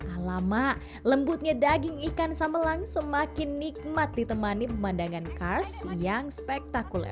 alama lembutnya daging ikan samelang semakin nikmat ditemani pemandangan kars yang spektakuler